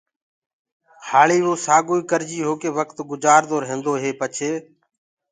هآݪي ووسآگوئي ڪرجي هوڪي وڪت گجآردو ريهندو هي پڇي